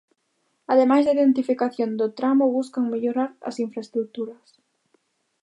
Ademais da identificación do tramo buscan mellorar as infraestruturas.